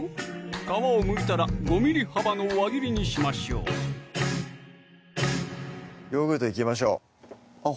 皮をむいたら５ｍｍ幅の輪切りにしましょうヨーグルトいきましょうあっ